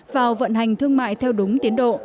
vào vận hành thương mại theo đúng tiến độ